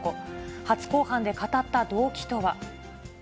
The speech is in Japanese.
初公判で語った動機とは。